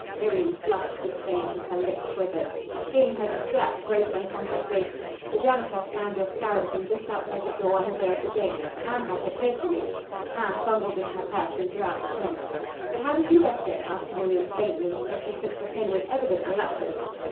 Miriam flushed with shame and her lip quivered. Seeing her distress, Grace went on quickly: "The janitress found your scarab pin just outside the door on the day of the game. Anne has it here for you." Anne fumbled in her purse and drew out the pin. "But how did you get it?" asked Miriam faintly, as she took the pin with evident reluctance.